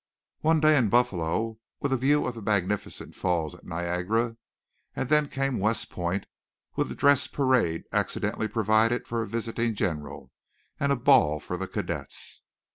One day in Buffalo, with a view of the magnificent falls at Niagara, and then came West Point with a dress parade accidentally provided for a visiting general and a ball for the cadets.